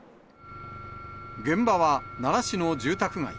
現場は奈良市の住宅街。